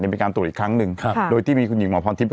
เป็นการตรวจอีกครั้งหนึ่งครับโดยที่มีคุณหญิงหมอพรทิพย